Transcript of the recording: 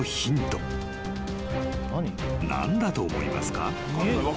［何だと思いますか？］